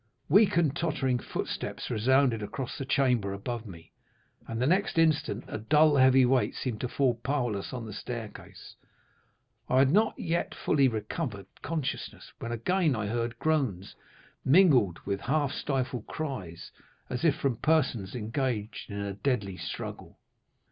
Weak and tottering footsteps resounded across the chamber above me, and the next instant a dull, heavy weight seemed to fall powerless on the staircase. I had not yet fully recovered consciousness, when again I heard groans, mingled with half stifled cries, as if from persons engaged in a deadly struggle.